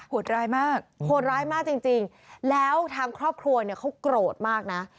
ดร้ายมากโหดร้ายมากจริงแล้วทางครอบครัวเนี่ยเขาโกรธมากนะ